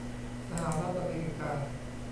สหรัฐอเมริกา